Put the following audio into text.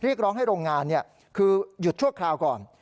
เรียกร้องให้โรงงานคือหยุดชั่วคราวก่อน